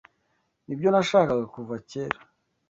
Nibyo nashakaga kuva kera.